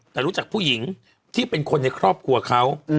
แต่รู้จักผู้หญิงที่เป็นคนในครอบครัวเขา